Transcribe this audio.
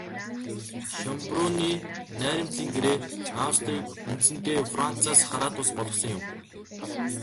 Шёнбрунны найрамдлын гэрээ Австрийг үндсэндээ Францаас хараат улс болгосон юм.